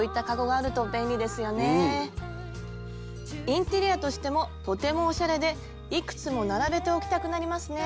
インテリアとしてもとてもおしゃれでいくつも並べて置きたくなりますね。